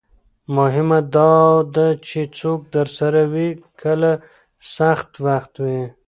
مهمه دا ده چې څوک درسره وي کله سخت وخت وي.